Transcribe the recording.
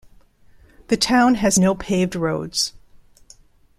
The town has no paved roads.